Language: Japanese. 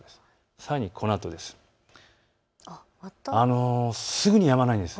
さらにこのあとです。